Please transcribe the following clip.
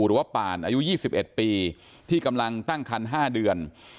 หรือว่าป่านอายุ๒๑ปีที่กำลังตั้งคัน๕เดือน